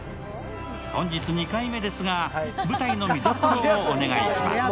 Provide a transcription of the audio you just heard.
本日２回目ですが、舞台の見どころをお願いします。